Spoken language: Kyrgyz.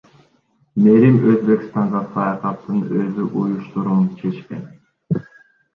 Мээрим Өзбекстанга саякатын өзү уюштурууну чечкен.